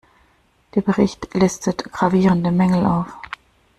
Der Bericht listet gravierende Mängel auf.